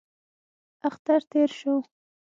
اختر تېر شو.